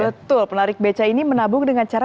betul penarik beca ini menabung dengan cara